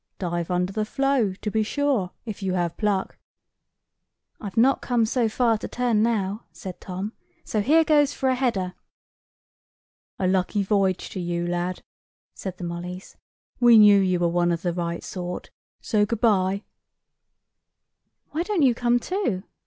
"Dive under the floe, to be sure, if you have pluck." "I've not come so far to turn now," said Tom; "so here goes for a header." "A lucky voyage to you, lad," said the mollys; "we knew you were one of the right sort. So good bye." "Why don't you come too?"